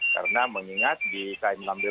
karena mengingat di km lambele